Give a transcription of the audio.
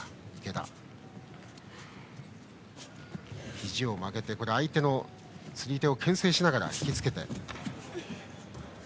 ひじを曲げて、相手の釣り手をけん制しながら引き付けています。